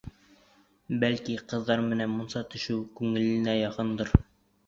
Бәлки, ҡыҙҙар менән мунса төшөү күңеленә яҡындыр.